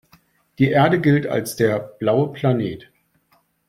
Die Erde gilt als der „blaue Planet“.